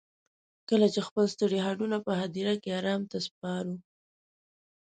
کله چې خپل ستړي هډونه په هديره کې ارام ته سپارو.